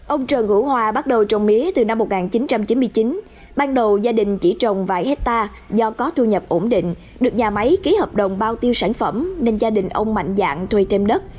ông trần hữu hòa bắt đầu trồng mía từ năm một nghìn chín trăm chín mươi chín ban đầu gia đình chỉ trồng vài hectare do có thu nhập ổn định được nhà máy ký hợp đồng bao tiêu sản phẩm nên gia đình ông mạnh dạng thuê thêm đất